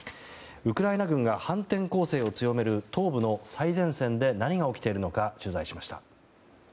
ウクライナが反転攻勢を強める東部の最前線で何が起きているのか取材しました。